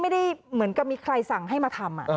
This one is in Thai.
ไม่ได้เหมือนกับมีใครสั่งให้มาทำ